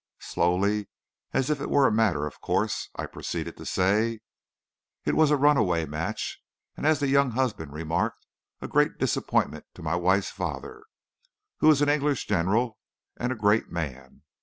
Slowly, and as if it were a matter of course, I proceeded to say: "It was a run away match, and as the young husband remarked, 'a great disappointment to my wife's father, who is an English general and a great man.